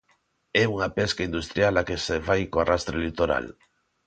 ¿É unha pesca industrial a que se fai co arrastre litoral?